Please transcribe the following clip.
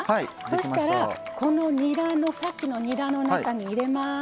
そしたらこのさっきのにらの中に入れます。